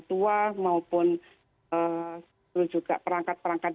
tua maupun juga perangkat perangkat